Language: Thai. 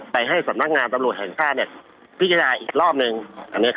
ไปให้สำนักงานตำรวจแห่งฆ่าเนี่ย